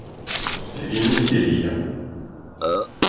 D tagi i d Dihia